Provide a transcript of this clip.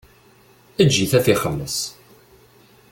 Eǧǧ-it ad t-ixelleṣ.